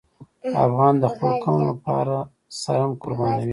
افغان د خپل قوم لپاره سر هم قربانوي.